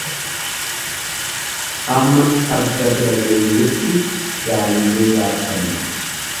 Hamma farda bira geenyutti gaangee yaabbanna.